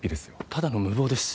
ただの無謀です。